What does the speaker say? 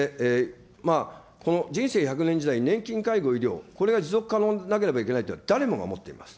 この人生１００年時代、年金、介護、医療、これが持続可能でなければいけないって、誰もが思っています。